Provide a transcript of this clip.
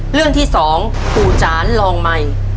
เรื่องที่๒ปู่จานลองใหม่